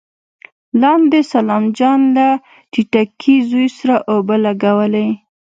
لاندې سلام جان له ټيټکي زوی سره اوبه لګولې.